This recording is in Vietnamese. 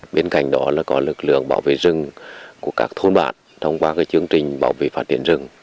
bên cạnh đó là có lực lượng bảo vệ rừng của các thôn bản thông qua chương trình bảo vệ phát triển rừng